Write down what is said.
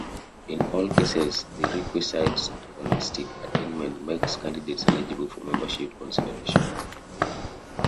In all cases the requisite scholastic attainment makes candidates eligible for membership consideration.